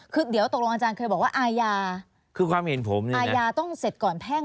คือเดี๋ยวตกลงอาจารย์เคยบอกว่าอาญาคือความเห็นผมเนี่ยอาญาต้องเสร็จก่อนแพ่ง